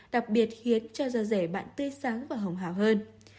đặc biệt khiến cho da rẻ bạn tươi sáng và hồng hào hơn